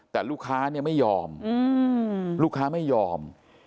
แต่ลูกค้าเนี่ยไม่ยอมลูกค้าไม่ยอม